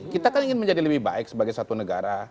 kita kan ingin menjadi lebih baik sebagai satu negara